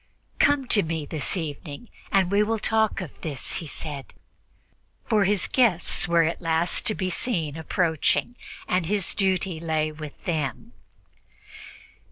"Come to me this evening, and we will talk of this," he said, for his guests were at last to be seen approaching, and his duty lay with them.